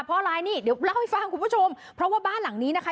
เพราะอะไรนี่เดี๋ยวเล่าให้ฟังคุณผู้ชมเพราะว่าบ้านหลังนี้นะคะ